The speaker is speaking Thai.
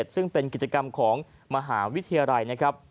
ซึ่งเป็นกิจกรรมของมหาวิทยาลัยนะครับ